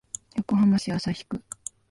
横浜市旭区